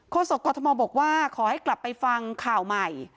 ศกรทมบอกว่าขอให้กลับไปฟังข่าวใหม่